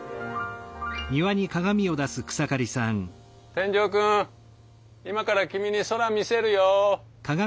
天井くん今から君に空見せるよ。